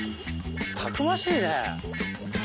たくましいね。